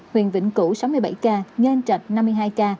huyện vĩnh cửu sáu mươi bảy ca nhân trạch năm mươi hai ca